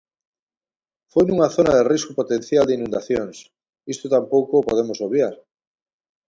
Foi nunha zona de risco potencial de inundacións, isto tampouco o podemos obviar.